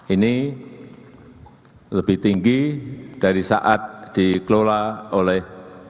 ini lebih tinggi dari saat dikelola oleh